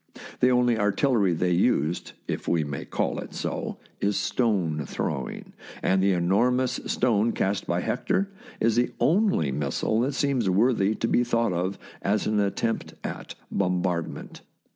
The only artillery they used, if we may call it so, is stone throwing, and the enormous stone cast by Hector is the only missile that seems worthy to be thought of as an attempt at bombardment.